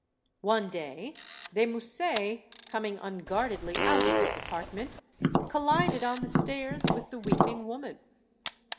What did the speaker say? One day, de Musset, coming unguardedly out of his apartment, collided on the stairs with the weeping woman.